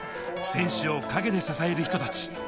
選手を陰で支える人たち。